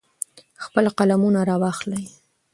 خپل قلمونه را واخلئ.